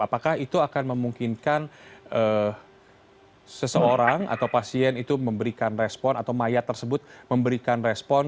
apakah itu akan memungkinkan seseorang atau pasien itu memberikan respon atau mayat tersebut memberikan respon